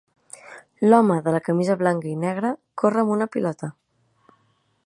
L'home de la camisa blanca i negre corre amb una pilota.